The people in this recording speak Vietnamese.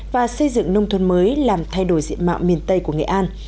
và xây dựng nông thôn mới làm thay đổi diện mạo miền tây của nghệ an